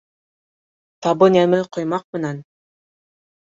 Табын йәме ҡоймаҡ менән.